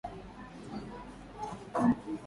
Watoto wangu wamepotea